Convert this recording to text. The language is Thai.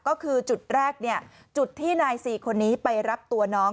ก็คือจุดแรกจุดที่นาย๔คนนี้ไปรับตัวน้อง